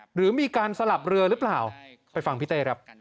หรือมีการสลับเรือหรือเปล่าไปฟังพี่เต้ครับ